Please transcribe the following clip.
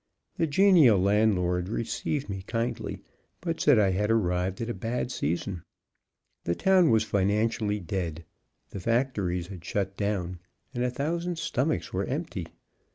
The genial landlord received me kindly, but said I had arrived at a bad season. The town was financially dead, the factories had shut down, and a thousand stomachs were empty.